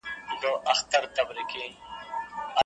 آیا سوداګریز مرکزونه تر عادي بازارونو ګران دي؟